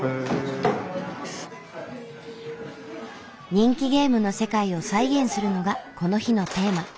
人気ゲームの世界を再現するのがこの日のテーマ。